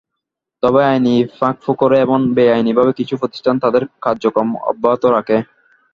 তবে আইনি ফাঁকফোকরে এবং বেআইনিভাবে কিছু প্রতিষ্ঠান তাদের কার্যক্রম অব্যাহত রাখে।